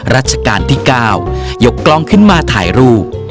ราชการที่๙ยกกล้องขึ้นมาถ่ายรูป